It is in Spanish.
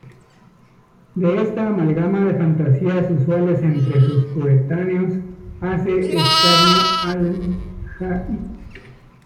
De esta amalgama de fantasías usuales entre sus coetáneos hace escarnio al-Jahiz.